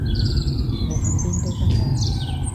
我瞓邊都得㗎